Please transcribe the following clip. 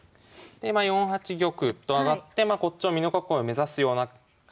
でまあ４八玉と上がってこっちも美濃囲いを目指すような感じをさせておく。